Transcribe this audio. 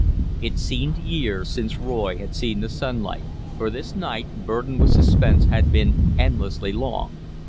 It seemed years since Roy had seen the sunlight, for this night, burdened with suspense, had been endlessly long.